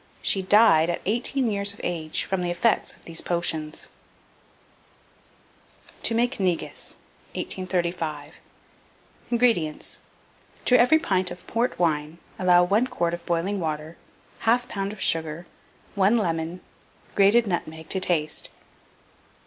She died at eighteen years of age, from the effects of these potions." TO MAKE NEGUS. 1835. INGREDIENTS. To every pint of port wine allow 1 quart of boiling water, 1/4 lb. of sugar, 1 lemon, grated nutmeg to taste.